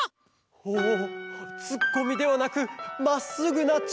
おおツッコミではなくまっすぐなちゅうい。